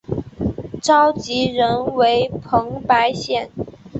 召集人为彭百显。